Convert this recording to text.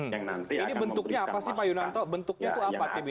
ini bentuknya apa sih pak yunanto bentuknya itu apa